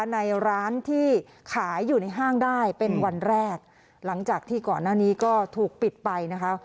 ในร้านที่ขายอยู่ในห้างได้เป็นวันแรกหลังจากที่ก่อนหน้านี้ก็ถูกปิดไปนะคะ